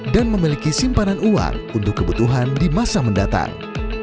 dan memiliki simpanan uang untuk kebutuhan di masa mendatang